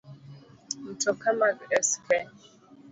Mtoka mag sk